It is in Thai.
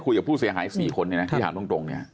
เพราะอาชญากรเขาต้องปล่อยเงิน